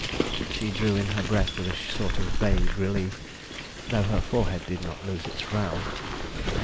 She drew in her breath with a sort of vague relief, though her forehead did not lose its frown.